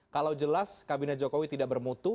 kalau jelas kabinet jokowi tidak bermutu